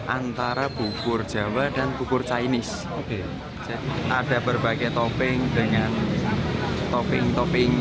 antara bubur jawa dan bubur chinese ada berbagai topping dengan topping topping